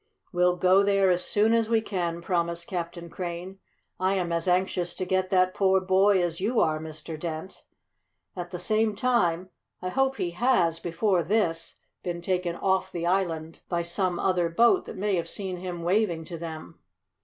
"We'll go there as soon as we can," promised Captain Crane. "I am as anxious to get that poor boy as you are, Mr. Dent. At the same time I hope he has, before this, been taken off the island by some other boat that may have seen him waving to them."